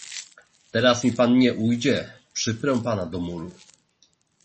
"Teraz mi pan nie ujdzie, przyprę pana do muru."